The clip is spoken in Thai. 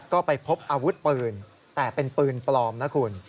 ก็ไปพบอาวุธปืนแต่เป็นปืนปลอมนะคุณ